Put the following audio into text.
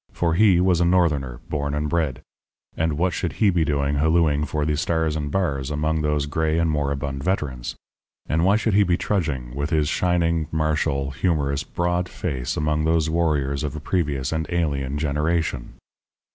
For he was a Northerner born and bred; and what should he be doing hallooing for the Stars and Bars among those gray and moribund veterans? And why should he be trudging, with his shining, martial, humorous, broad face, among those warriors of a previous and alien generation?